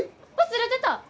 忘れてた！